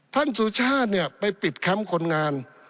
สุชาติเนี่ยไปปิดแคมป์คนงาน